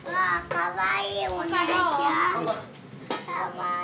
かわいい。